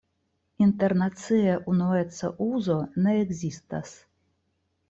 Internacie unueca uzo ne ekzistas.